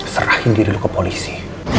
serahin diri dulu ke polisi